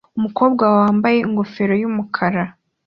Umukobwa wambaye ingofero yumukara